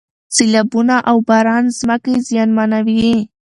سیلابونه او باران ځمکې زیانمنوي.